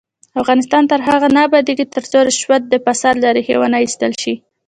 افغانستان تر هغو نه ابادیږي، ترڅو رشوت او فساد له ریښې ونه ایستل شي.